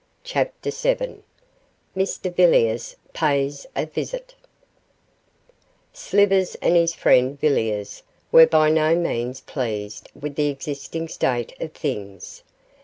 CHAPTER VII MR VILLIERS PAYS A VISIT Slivers and his friend Villiers were by no means pleased with the existing state of things.